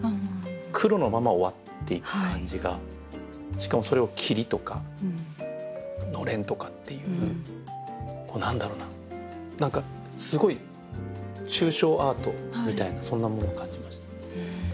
しかもそれを「霧」とか「のれん」とかっていう何だろうな何かすごい抽象アートみたいなそんなものを感じました。